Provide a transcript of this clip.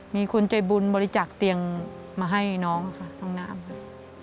มีคนใจบุญบริจาคเตียงมาให้น้องค่ะห้องน้ำค่ะ